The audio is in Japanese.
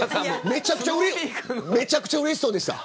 めちゃくちゃうれしそうでした。